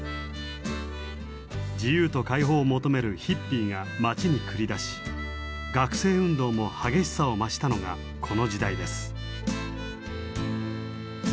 自由と解放を求めるヒッピーが街に繰り出し学生運動も激しさを増したのがこの時代です。